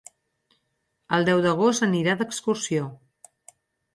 El deu d'agost anirà d'excursió.